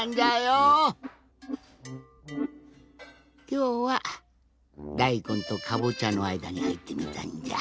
きょうはだいこんとかぼちゃのあいだにはいってみたんじゃ。